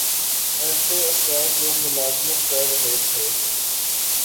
ایسے افراد جو ملازمت کررہے تھے